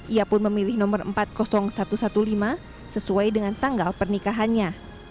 ia pun memilih nomor empat ribu satu ratus lima belas sesuai dengan tanggal pernikahannya